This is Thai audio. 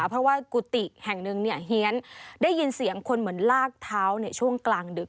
เพราะว่ากุฏิแห่งหนึ่งเนี่ยเฮียนได้ยินเสียงคนเหมือนลากเท้าในช่วงกลางดึก